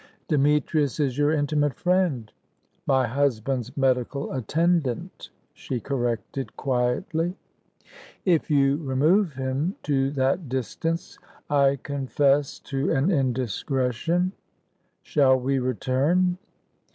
"Demetrius is your intimate friend." "My husband's medical attendant," she corrected quietly. "If you remove him to that distance, I confess to an indiscretion. Shall we return?"